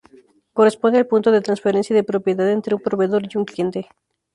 Corresponde al punto de transferencia de propiedad entre un proveedor y un cliente.